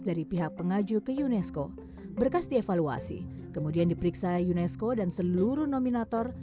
dari pihak pengaju ke unesco berkas dievaluasi kemudian diperiksa unesco dan seluruh nominator